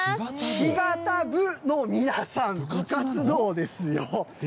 ひがた部の皆さん、部活動ですよ。